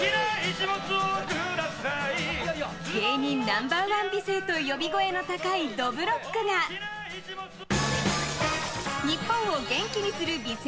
芸人ナンバー１美声と呼び声の高いどぶろっくが日本を元気にする美声